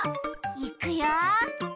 いくよ。